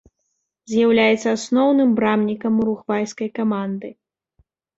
З'яўляецца асноўным брамнікам уругвайскай каманды.